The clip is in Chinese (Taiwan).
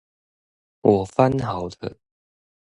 我翻好了